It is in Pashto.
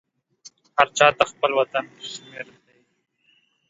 هر چاته خپل وطن کشمیر دی